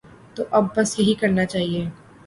تو بس اب یہی کرنا چاہیے۔